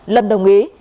lâm đồng ý